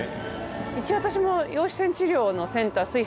一応私も。